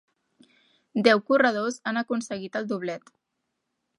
Deu corredors han aconseguit el doblet.